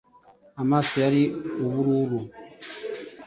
amaso yari ubururu